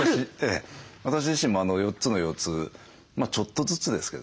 私自身も４つの腰痛ちょっとずつですけどね。